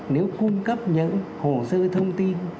nếu cung cấp những hồ sơ thông tin